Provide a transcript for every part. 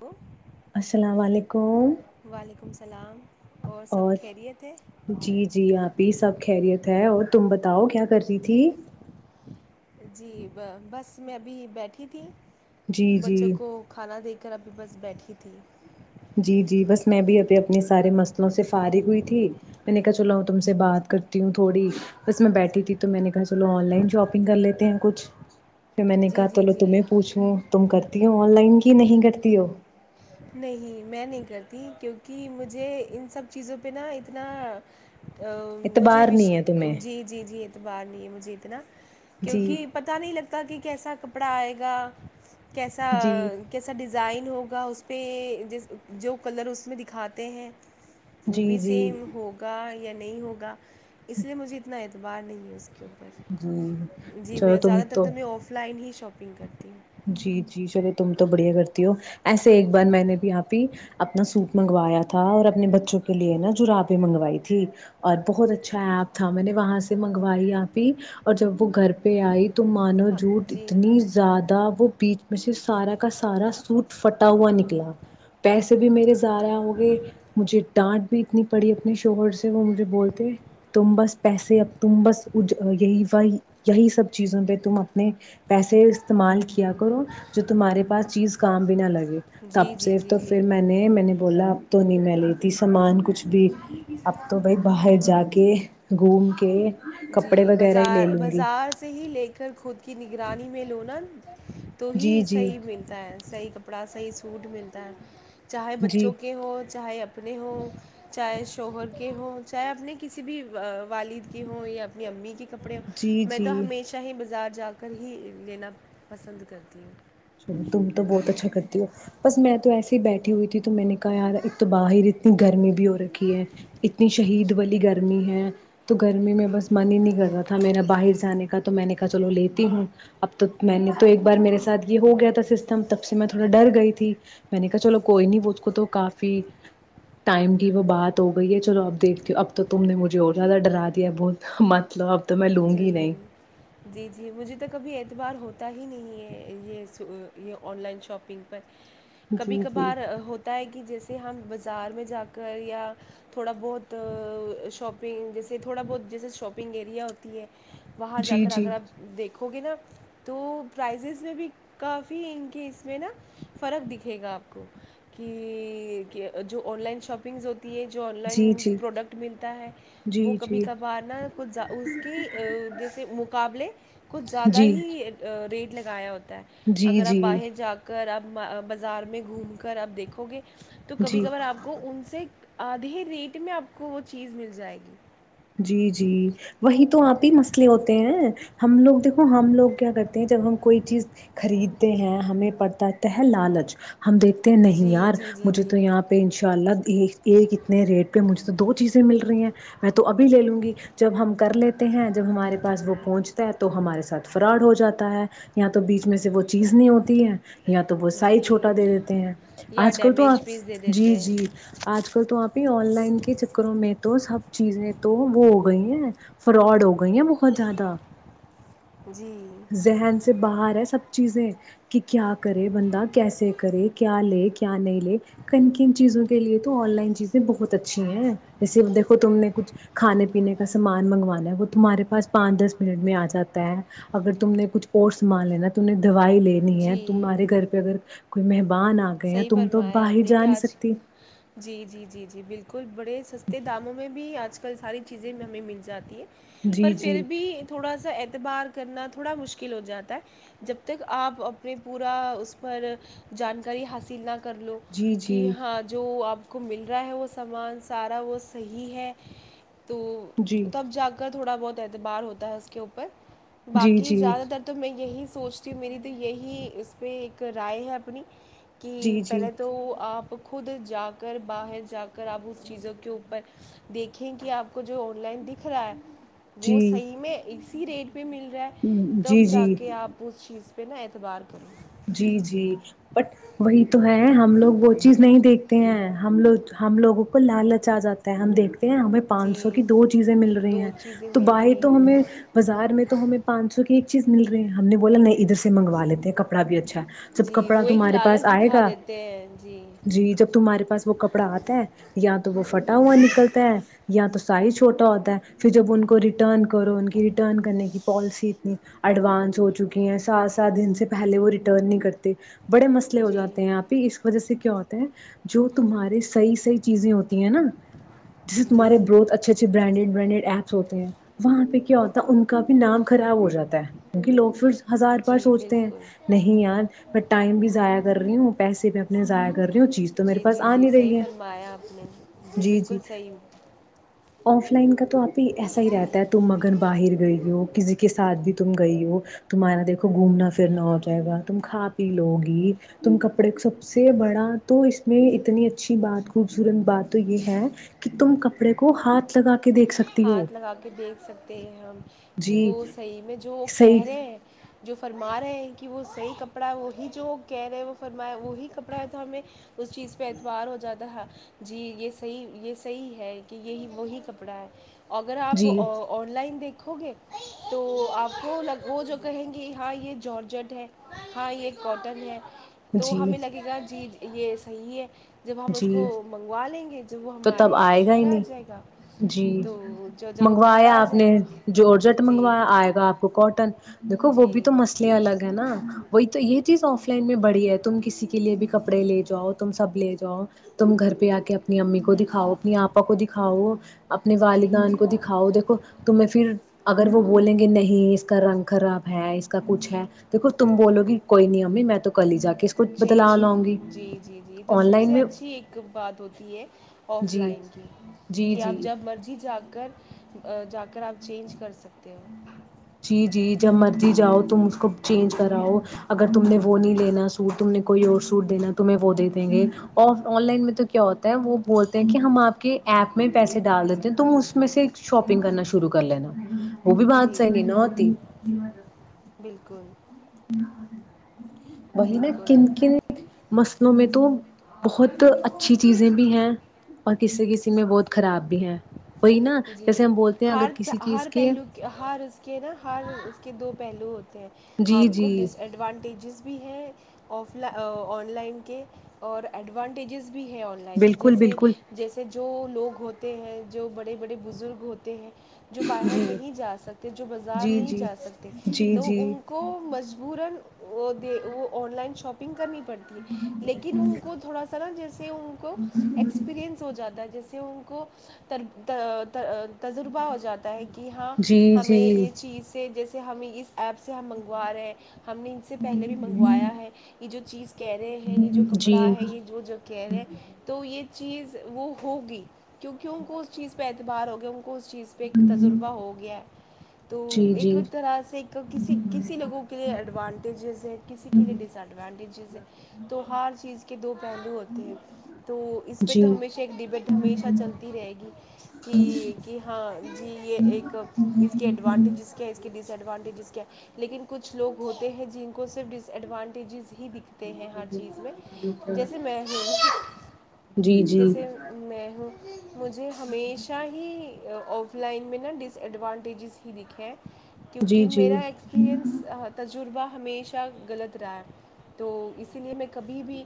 hello السلام علیکم سلام اور جی جی آپ یہ سب خیریت ہے اور تم بتاؤ کیا کر رہی تھی جی بس میں ابھی بیٹھی تھی جی بچوں جی کو کھانا دے کر اب پ بس بیٹھی تھی جی جی بس میں بھی ا اپنے سارے مسئلوں سے فارغ ہوئی تھی میں نے کہا چلو تم سے بات کرتی ہوں تھوڑی بس میں بیٹھی تھی تو میں نے کہا چلو آن لائن شاپنگ کر لیتے ہیں کچھ پھر میں نے جی کہا جی چلو جی تمہیں پوچھوں تم کر تی ہ آن لائن کی نہیں کرتی ہو نہیں میں نہیں کرتی کیونکہ مجھے ان سب چیزوں پہ نا اتنا اعتبار مجھےش نہیں ہے تمہیں جی جی جی اتبار نہیں ہے مجھے اتنا جی کیونکہ پتا نہیں لگتا پتا کہ کیسا کپڑا آئے گا کیسا جی کیسا ڈیزائن ہوگا اس پہس جو کلر اس میں دکھاتے ہیں وہ جی بھی جی سیم ہوگا ینی نہیں ہوگا اس لیے مجھے اتنا انا توبار نہیں ہے اس کی جی چلو تم تو میں آف لائن ہی شاپنگ کرتیوں [inaudible] جی جی چلے تم تو بڑھیا کرتی ہو ایسے ایک بار میں نے بھی آپ ہی اپنا سوٹ منگوایا تھا اور اپنے بچوں کے لیے نا جرابیں منگوائی تھی اور بہت اچھا ایپ تھا میں نے وہاں سے منگوائی آپ ہی اور جب وہ گھر پہ آئی تو مانو ہاں جوٹ جی اتنی زیادہ وہ بیچ میں سے سارا کا سارا سوٹ فٹا ہوا نکلا پیسے بھی میرے زاارا ہو گئے مجھے ڈانٹ بھی اتنی پڑی اپنے شوہر سے وہ مجھے بولتے تم بس پیسے ا تم بس یہی یہی سب چیزوں پہ تم اپنے پیسے استعمال کیا کرو جو تمہارے پاس چیز کام بھی نہ لگے جی تب جی سے جی تو جی پھر میں نے میں نے بولا تو نہیں میں لیتی سامان کچھ بھی اب تو بھائی باہر جا کے گھوم کے کپڑے جی وغیرہ ہی لے بازار لوں گی بازار سے ہی لے کر خود کی ن گگر رانی میں لوونن تو ہی جی جی صحیح منتا ہے صحیح کپڑا صحیح سوڈ ملتا ہے چاہے جی بچوں کے ہ چاہے اپنے ہوں چاہے شوہر کے ہوں چاہے اپنے کسی بھی والد کے ہوں یا اپنی امی کی کپڑے جی میں تو جی ہمیشہ ہی بس بازار جا کر ہی لینا پسند کرتی ہوں چلو تم تو بہت اچھکت ہو بس میں تو ایس ہی بیٹھی ہوئی تھی تو تو میں نے کہا یار ایک تو باہر اتنی گرمی بھی ہو رکھی ہے اتنی شہید والی گرمی ہے تو گرمی میں بس من ہی نہیں کر رہا تھا میرا باہر جانے کا تو میں نے کہا چلو لیتی ہوں اب تو میں نے تو ایک جی بار میرے ساتھ یہ ہو گیا تھا سسٹم تب سے میں تھوڑا ڈر گئی تھی میں نے کہا چلو کوئی نہیں وہ اس کو تو کافی ٹائم کی وہ بات ہو گئی ہے چلو اب دیکھتی ہو اب تو تم نے مجھے اور زیادہ ڈرا دیا بہت مطلب جی جی جی مجھے تو کبھی اعتبار ہو پت ہی نہیں ہے یہ یہ آن لائن شاپنگ پر کبھی جی جی کبھار ہوتا ہے کہ جیسے ہم بازار میں جا کر یا تھوڑا بہت شاپنگ جیسے تھوڑا بہت جیسے شاپنگ ایریا ہو ت باہر جا جی کر جی آگر آپ دیکھیں وگے نا تو پرائزز میں بھی کافی ان کے اس میں نا فرق دکھے گا آپ کو کہ جو آن لائن شاپنگز ہو ہے جو آن لائن جی جی پروڈکٹ ملتا ہے وہ جی کبھی جی کبھار نہ کچھ اس جیسے مقابلے کچھ زیادہ جی ہی ریٹ لگایا ہوتا جی اگر آپ جی باہر جا کر اب بازار میں گھوم کر اب دیکھو گے تو کبھی جی کبار آپ کو ان سے آدھے ریٹ میں آپ کو وہ چیز مل جائے گی جی جی وہی تو آپ ہی مسئلے ہوتے ہیں ہم لوگ دیکھو ہم لوگ کیا کرتے ہیں جب ہم کوئی چیز خریدتے ہیں ہمیں پڑتاتا ہے لالچ ہم دیکھتے ہیں نہیں جی یار جی جی مجھے جی تو یہاں پہ ان شاء اللہ ایک اتنے ریٹ پہ مجھے تو دو چیزیں مل رہی ہیں اچھا تو ابھی لے لوں گی جب ہم کر لیتے ہیں جب ہمارے پاس وہ پہنچتا ہے تو ہمارے ساتھ فراڈ ہو جاتا ہے یا تو بیچ میں سے وہ چیز نہیں ہوتی ہے یا تو وہ سائز جی چھوٹا دے دیتے ہیں یا آج کل تو آپ ڈیمیج پیس دے جی دیتے جی ہیں آج کل تو آپ ہی آن لائن کے چکروں میں تو سب چیزیں تو وہ ہو گئی ہیں فراڈ ہو گئی ہیں بہت زیادہ جی ذہن سے باہر ہے سب چیزیں کہ کیا کرے بندہ کیسے کرے کیا لے کیا نہیں لے کن کن چیزوں کے لیے تو آن لائن چیزیں بہت اچھی ہیں جیسے دیکھو تم نے کچھ کھانے پینے کا سامان منگوانا ہے وہ تمہارے پاس پانچ دس منٹ میں آ جاتا ہے اگر تم نے کچھ اور سامان لینا تم نے ائی لینی ہے جی تمہارے گھر پہ اگر کوئی م صحیح فرمایا آپ نے کیا آج سکتی جی جی جی جی بالکل بڑے سستے داموں میں بھی آج کل ساری چیزیں ہمیں مل جاتی ہیں جی پر پھر جی بھی تھوڑا سا بار کرنا تھوڑا مشکل ہو جاتا ہے جب تک آپ اپنے پورا اس پر جان کی حاصل نہ [inaudible] کر لو جی کہ جی ہاں جو آپ کو مل رہا ہے وہ سامان سارا وہ صحیح ہے تو جی تب جا کر تھوڑا بہت اعتبار ہوتا ہے اس کے اوپر جی باقی جی زیادہ تر تو میں یہی سوچتی ہوں میری تو یہی اس پ ایک رائے ہے اپنی کہ جی جی پہلے تو آپ خود جا کر باہر جا خر آاب اس چیزوں کے اوپر دیکھیں کہ آپ کو جو آن لائن دکھ رہا ہے وہ جی صحیح میں اس سی ریٹ [inaudible] مل رہا ہے تب جی جا جی کے آپ اس چیز پ پہنا اعتبار کرو جی جی بٹ وہی تو ہے ہم لوگ وہ چیز نہیں دیکھتے ہیں ہم لوگ ہم لوگوں کو لالچ آ جاتا ہے ہم دیکھ ہمیں پانچ سو جی کی دو چیزیں مل رہی دو ہیں چیزیں تو مل باہر رہی تو ہمیں ہیں بازار میں تو ہمیں پانچ سو کی ایک چیز مل رہی ہے ہم نے بولا نہیں ادھر سے منگوا لیتے ہیں کپڑا بھی اچھا ہے جب جی کپڑا وہ ایک تمہارے پاس لالچ آئے دکھا گا دیتے ہیں جی جب تمہارے پاس وہ کپڑا آتا ہے یا تو وہ فٹا ہوا نکلتا ہے یا تو سائز چھوٹ ہوتا ہے پھر جب ان کو ریٹرن کرو ان کی ریٹرن کرنے کی پالیسی اتنی ایڈوانس ہو چکی ہے سات سات دن سے پہلے وہ ریٹرن نہیں کرتے بڑے مسئے ہو جی جاتے ہیں آپ ہی اس وجہ سے ہوتا ہیں جو تمہارے سے صحی چیزیں ہوتی ہیں نا جسے جی تمہارے جی بروتھ جی اچھے اچھےرانڈیڈ برانڈڈ ایپس ہوتے ہیں وہاں پہ کیا ہوتے ان کا بھی نام خراب ہو جاتا ہے کیونکہ لوگ پھر ہزار بار جی سوچتے ہیں بالکل نہیں ار ب ٹائم بھی ضائع کر رہی ہوں پیسے بھی اپنے ضائع کر رہی ہوں چیز تو میرے جی پاس جی آ جی نہیں صحیح رہی ہے فرمایا آپ نے جی جی بالکل صحیح آف لائن کا تو آپ ہی ایسا ہی رہتا ہے ت مگن باہر گئی ہو کسی کے ساتھ بھی تم گئی ہو تمہارا دیکھو گھومناھر پنا ہو جائے گا تم کھا پی لو گی تم کپڑے کو سب سے بڑا تو اس میں اتنی اچھی بات خوبصورت بات تو یہ ہے کہ تم کپڑے کو ہاتھ لگا کے دیکھ سکتی ہو ہاتھ لگا کے دیکھ سکتے ہیں ہم کہ جی وہ صحیح میں جو صحیح کہہ رہے ہیں جو فرما رہے ہیں کہ کہ وہ صحیح کپڑا ہے وہی جو کہہ رہے ہیں وہ فرمایا وہی کپڑا ہے تو ہمیں اس چیز پہ اعتبار ہو جاتا تھا جی یہ صحیح یہ صحیح ہے کہ یہی وہی کپڑا ہے اگر آپ جی آن لائن دیکھ و گے تو آپ کوگ وہ جو کہیں گے ہاں یہ جارجٹ ہے ہاں یہ کاٹن ہے تو جی ہمیں لگے گا جی یہ صحیح ہے جب ہم اس کو جی منگوا لیں گے جب وہ تو تب ہمارے آئے گا ہی گھر آ نہیں جائے گا جی تو جو جب وہ گھر منگوایا آ آپ جائے نے گا جوڑ جٹ جی منگوایا آئے گا آپ کو کاٹن دیکھو وہ بھی جی تو مسئلے الگ ہے نا وہی تو یہ چیز آف لائن میں بڑی ہے تم کسی کے لیے بھی کپڑے لے جاؤ تم سب لے جؤ جاؤ تم گھر پہ آ کے اپنی امی کو دکھاؤ اپنی آپا کو دکھاؤ اپنے جی والدین کو دکھاؤ دیکھو تمیں پھر اگر وہ بولیں گے نہیں اس کا رنگ خراب ہے اس کا کچھ ہے دیکھو تم بولو گی کوئی نہیں امی میں تو کل ہی جا کے اس کو اچھ بدلا اچھ لاؤں گی ہاں جی جی جی تو آن سب لائن سے میں اچھ اچ ایک بات ہوتی ہے آف جی لائن کی جی کہ آپ جی جب مرضی جا کر [inaudible] اگر آپ چینج کر سکتے ہو جی جی جب مرضی جاؤ تم اس کو چینج کراؤ اگر تم نے وہ نہیں لینا سوٹ تم نے کوئی اور سوٹ دینا تمہیں وہ دے دیں گے آن لائن میں تو کیا ہوتا ہے وہ بولتے ہیں کہ ہم آپ کے ایپ میں پیسے ڈال دیتے ہیں تم اس میں سے شاپنگ کرنا شروع کر لینا وہ بھی بعد جی [inaudible] [inaudible] بالکل وہی نا بالکل کن کن مسل ممی تو بہت اچ اچھی چیزیں بھی ہیں کسی کسی میں بہت خراب بھی ہیں وہی نا جی جیسے ہم بولتے ہیں اگر ہر کسی چیز ہر پہلو کے ہر اس کے نا ہر اس کے دو پہلوود ہیں آپ جی کو جی ڈس ایڈوانٹیجز بھی ہیں آف لائ آن لائن کے اور ایڈوانٹیجز بھی بھی ہے آن لائن کہ بالکل جیسے بالکل جیسے جو لوگ ہوتے ہیں جو بڑے بڑے بڑے بزرگ ہوتے ہیں جو باہر نہیں جا سکتے جو بازار جی نہیں جی جا سکتے جی تو جی ان کو مجبورا وہ وہ آن لائن شاپنگ کرنی تھی پڑتی ہے لیکن ان کو تھوڑا سا نا جیسے ان کو ایکسپیرئنس ہو جاتا جیسے ان کو تربو تو تجربہ ہو جاتا ہے کہ ہاں جی ہمیں جی یہ چیز سے جیسے سے ہمیں اس ایپ سے ہم منگوا رہے ہیں ہم نے ان سے پہلے بھی منگوایا ہے یہ جو چیز کہہ رہے ہیں یہ جو کپڑا جی ہے یہ جو جو کہہ رہے ہیں تو یہ چیز وہ ہوگی کیونکہ ان کو چیز پہ اعبار گئے وہ کو اس چیز پہ ایک تجربہ ہو گیا تو جی ایک جی اور طرح سے ایک کسی کسی لوگوں کے لیے ایڈوانٹیجز ہے کسی کے لیے ڈس ایڈوانٹیجیز ہے تو ہر چیز کے دو پہلو ہوتے ہیں تو اس پہ جی تو ہمیشہ ایک ڈبیٹ ہمیشہ چلتی رہے گی کہ کہ ہاں جی یہ ایک اس کے ایڈوانٹیجس کیا اس کے ڈس ایڈوانٹیج کیا لیکن کچھ لوگ ہوتے ہیں جن کو صرف ڈس ایڈوانٹیجز ہی دکھتے تے ہیں ہر چیز میں جیسے میں جی ہوں جی جیسے میں ہوں مجھے ہمیشہ ہی آف لائن میں نا ڈس ایڈوانٹیجز ہی دکھیں جی کیونکہ جی میرا ایکسپییرئنس تجربہ ہمیشہ غلط رہا ہے تو اسی لیے میں کبھی بھی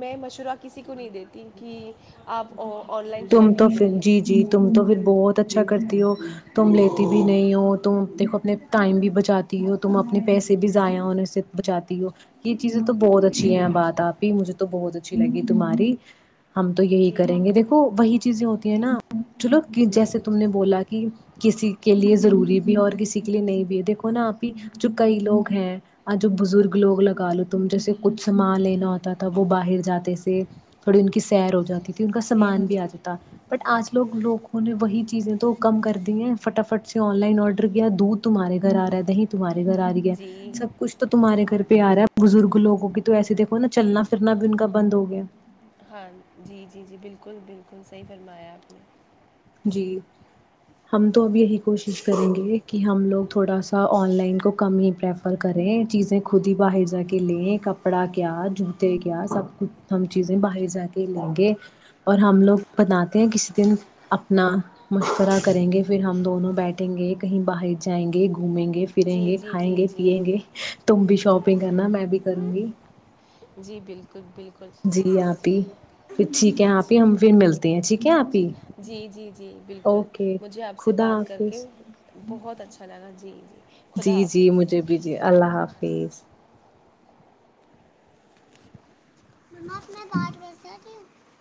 میں مشورہ کسی کو نہیں دیتی کہ آپ آن لائن ش توھر جی جی تم تو پھر بہت اچھا کرتی ہو تم لیتی بھی نہیں ہو تم دیکھو اپنے ٹائم بھی بچاتی ہو تم اپنے پیسے بھی ضائع ہونے سے بچاتی ہو یہ چیز تو بہت اچھی ہے باتپ ہی مجے تو بہت اچ اچھی لگی تو ماری ہم تو یہی جی کریں گے دیکھو وہی چیزیں ہوتی ہیں نا چلو جیسے تم نے بولا کہ کسی کے لیے ضروری بھی ہے اور کسی کے لیے نہیں بھی ہے دیکھو نا اپھی جو کئی لوگ ہیں آ جو بزرگ لوگ لگا لو تم جیسے کچھ مال لینا ہوتا تھا وہ ب [inaudible] تھوڑی ان کی سیر ہو جاتی ان کا سیر سامان ہو بھی آ جائے جاتا بٹ آج لوگ لوگوں نے وہی چیزیں تو کم کر دی ہیں فٹافٹ سے آن لائن آرڈر کیا دودھ تمہارے گھر آ رہا ہے دی تمہےھر آ رہی ہے جی سب کچھ تو تمہارے گھر پیار ہے بزرگ لگوں کی تو ایسے دھو نا چلنا پھرنا بھی ان کا بند ہوگا [inaudible] ہاں جی جی جی بالکل بالکل صحیح فرمایا آپ نے جی ہم تو اب یہی کوشش کریں گے کہ ہم لوگ تھوڑا سا آن لائن کو کم ہی پریفر کریں چیزیں خود ہی باہر جا کے لیں کپڑا کے کیا جوتے کیا سب کچھ ہم چیزیں باہر جا کے لیں گے اور ہم لوگ بناتے ہیں کسی دن اپنا مشورہ کریں گے پھر ہم دونوں بیٹھیں گے کہیں باہر جائیں گے گھومیں گے پھریں جی گے جی کھائیں جی گے جی پیئیں گے تم بھی شاپنگ کرنا میں بھی کروں گی جی بالکل بالکل جی آپ ہی پھر ٹھیک ہے آپ ہی ہم پھر ملتے ہیں ٹھیک ہے آپ ہی جی جی جی بالکل اوکے مجھے آپ سے خدا بات کر کے حافظ بہت اچھا لگا جی جی جی جی خدا جی حافظ مجھے بھی جی اللہ حافظ تیس اپ میں گانج بج سے تھی